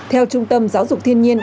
theo trung tâm giáo dục thiên nhiên